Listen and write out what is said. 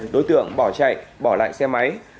đối tượng bỏ chạy bỏ lại xe máy